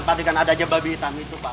padahal ada aja babi hitam itu pak